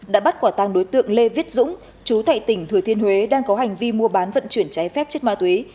đã bắt quả tăng đối tượng lê viết dũng chú thạy tỉnh thừa thiên huế đang có hành vi mua bán vận chuyển cháy phép chất ma túy